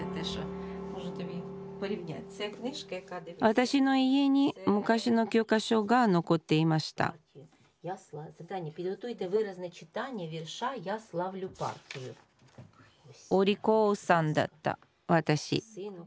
私の家に昔の教科書が残っていましたおりこうさんだった私。